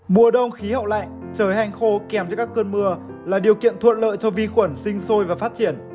mùa đông khí hậu lạnh trời hanh khô kèm cho các cơn mưa là điều kiện thuận lợi cho vi khuẩn sinh sôi và phát triển